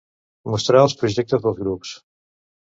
Mostrar els projectes dels grups.